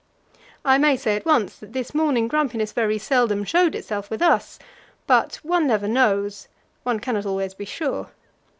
I may say at once that this morning grumpiness very seldom showed itself with us. But one never knows one cannot always be sure.